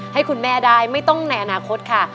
ให้คุณแม่ได้ไม่ต้องในอนาคตค่ะ